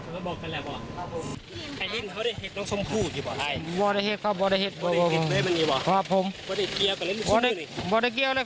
ว่าผมไม่ได้เหนื่อยอย่างครับ